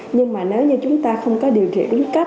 nhưng mà nếu như chúng ta không có điều kiện đúng cách